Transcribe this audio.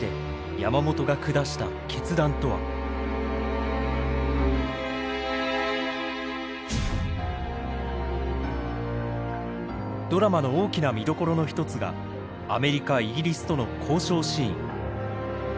果たしてドラマの大きな見どころの一つがアメリカイギリスとの交渉シーン。